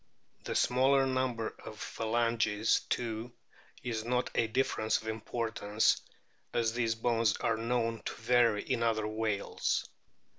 The smaller number of phalanges too 192 A BOOK OF WHALES is not a difference of importance, as these bones are known to vary in other whales.